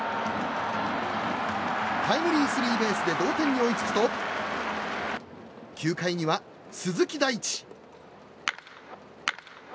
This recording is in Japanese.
タイムリースリーベースで同点に追いつくと９回には鈴木大地。